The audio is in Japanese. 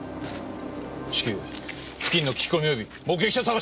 至急付近の聞き込み及び目撃者捜し！